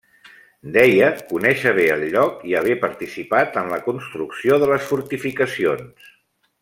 Deia conèixer bé el lloc i haver participat en la construcció de les fortificacions.